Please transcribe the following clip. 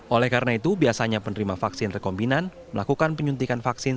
oleh karena itu biasanya penerima vaksin rekombinan melakukan penyuntikan vaksin